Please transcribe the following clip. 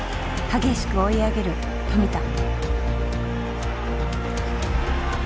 激しく追い上げる富田。